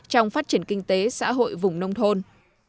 trong phát triển kinh tế xã hội vùng nông thôn